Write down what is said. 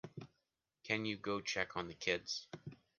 Can you go check on the kids?